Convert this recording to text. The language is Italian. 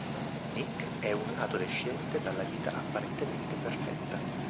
Nick è un adolescente dalla vita apparentemente perfetta.